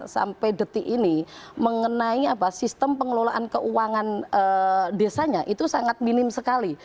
sampai detik ini mengenai sistem pengelolaan keuangan desanya itu sangat minim sekali